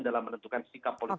dalam menentukan sikap politik